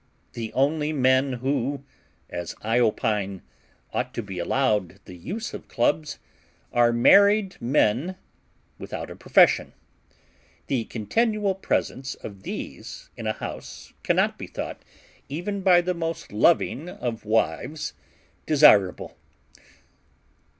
The only men who, as I opine, ought to be allowed the use of Clubs, are married men without a profession. The continual presence of these in a house cannot be thought, even by the most loving of wives, desirable.